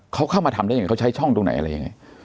เขาเข้ามาทำได้ยังไงเขาใช้ช่องตรงไหน